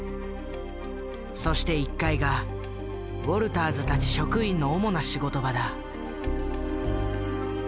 そして１階がウォルターズたち職員の主な仕事場だ。